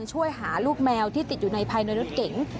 ช่วยหาลูกแมวที่ติดอยู่ในภายในรถเก๋ง